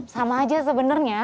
sama aja sebenarnya